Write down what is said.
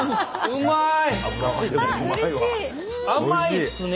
うまい！